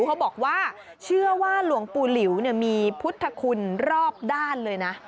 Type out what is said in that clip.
เขาบอกว่าเชื่อว่าหลวงปู่หลิวมีพุทธคุณรอบด้านเลยนะ